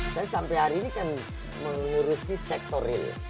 saya sampai hari ini kan mengurusi sektor real